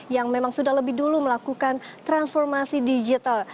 yang memang sudah lebih dulu melakukan transformasi digital